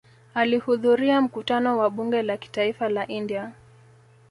Alihudhuria mkutano wa Bunge la Kitaifa la India